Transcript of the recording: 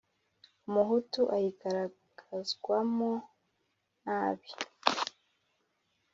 Umuhutu ayigaragazwamo nabi